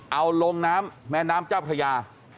เอาลงน้ำแม่น้ำเจ้าพระยา